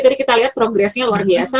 tadi kita lihat progresnya luar biasa